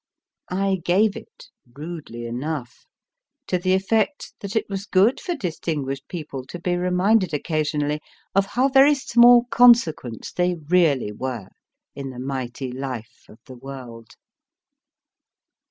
I gave it, rudely enough, to the effect that it was good for f distinguished people to be reminded occasionally of how very small consequence they really were, in the mighty life of the World